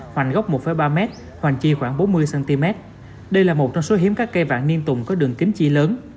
hoành gốc một ba m hoàn chi khoảng bốn mươi cm đây là một trong số hiếm các cây vạn niên tùng có đường kính chi lớn